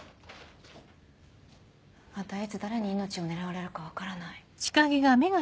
またいつ誰に命を狙われるか分からない。